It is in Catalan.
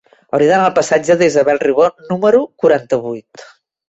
Hauria d'anar al passatge d'Isabel Ribó número quaranta-vuit.